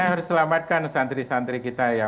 kita harus selamatkan santri santri kita ya pak